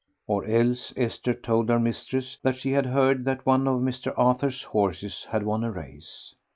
Or else Esther told her mistress that she had heard that one of Mr. Arthur's horses had won a race.